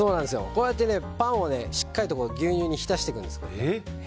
こうやってパンをしっかりと牛乳に浸していくんです。